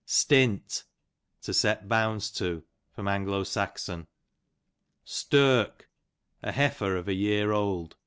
Stint, to set bounds to. A. S. Stirk, a heifer of a year old.